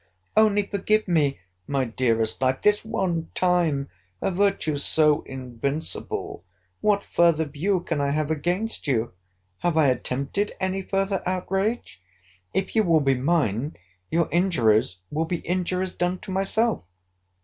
Only forgive me, my dearest life, this one time!—A virtue so invincible! what further view can I have against you?—Have I attempted any further outrage?—If you will be mine, your injuries will be injuries done to myself.